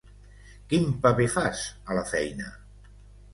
Quin paper fas, a la feina?